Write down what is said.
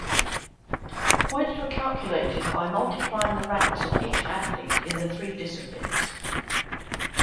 Points were calculated by multiplying the ranks of each athlete in the three disciplines.